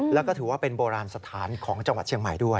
แล้วก็ถือว่าเป็นโบราณสถานของจังหวัดเชียงใหม่ด้วย